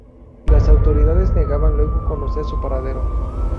Las autoridades negaban luego conocer su paradero.